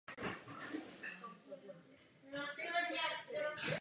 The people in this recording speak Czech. Ta se na oběžné dráze spojila s orbitální stanicí Skylab.